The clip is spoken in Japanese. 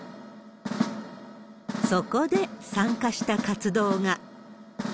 そこで参加した活動が。